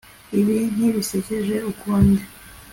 Ibi ntibisekeje ukundi